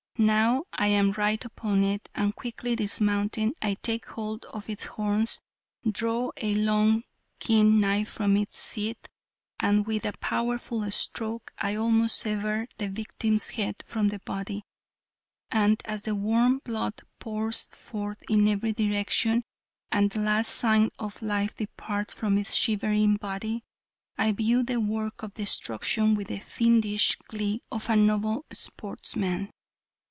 Now I am right upon it, and quickly dismounting, I take hold of its horns, draw a long keen knife from its sheath, and with a powerful stroke I almost sever the victim's head from the body. And as the warm blood pours forth in every direction and the last sign of life departs from its shivering body, I view the work of destruction with the fiendish glee of a noble sportsman.